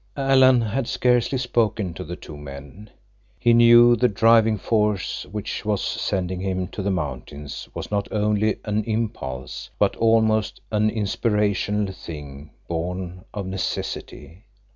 Alan had scarcely spoken to the two men. He knew the driving force which was sending him to the mountains was not only an impulse, but almost an inspirational thing born of necessity.